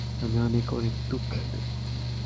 আমি অনেক অনেক দুঃখিত।